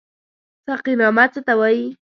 ساقينامه څه ته وايي؟